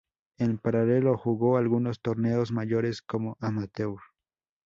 En paralelo, jugó algunos torneos mayores como amateur.